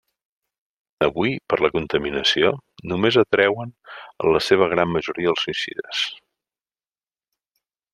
Avui per la contaminació, només atreuen en la seva gran majoria els suïcides.